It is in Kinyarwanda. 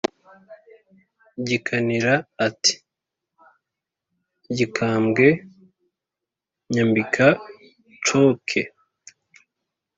gikanira ati: “gikambwe nyambika nshoke!”